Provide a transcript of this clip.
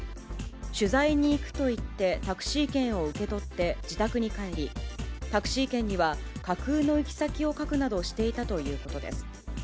取材に行くと言ってタクシー券を受け取って自宅に帰り、タクシー券には架空の行き先を書くなどしていたということです。